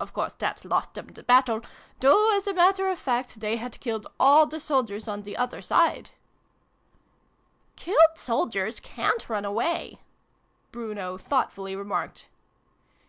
Of course that lost them the battle, though, as a matter of fact, they had killed all the soldiers on the other side." xi] THE MAN IN THE MOON. 171 " Killed soldiers cdrit run away," Bruno thoughtfully remarked.